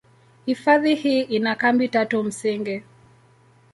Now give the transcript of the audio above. Hifadhi hii ina kambi tatu msingi.